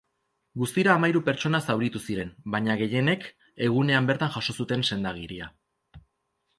Guztira hamahiru pertsona zauritu ziren, baina gehienek egunean bertan jaso zuten senda-agiria.